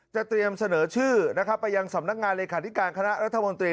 เตรียมเสนอชื่อนะครับไปยังสำนักงานเลขาธิการคณะรัฐมนตรี